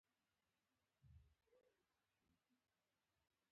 همدغه رساله مې د ورځې درې ځله لوستله.